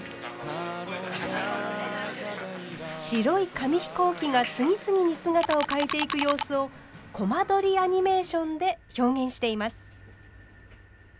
白い紙飛行機が次々に姿を変えていく様子をコマ撮りアニメーションで表現しています。